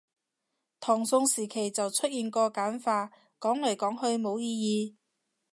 唐宋時期就出現過簡化，講來講去冇意義